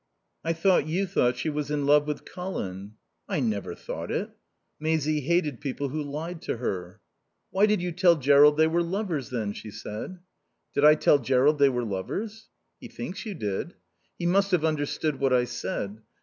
"I thought you thought she was in love with Colin." "I never thought it." Maisie hated people who lied to her. "Why did you tell Jerrold they were lovers, then?" she said. "Did I tell Jerrold they were lovers?" "He thinks you did." "He must have misunderstood what I said.